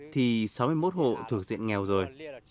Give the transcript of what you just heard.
thì sáu mươi một hộ thuộc diện nghèo rồi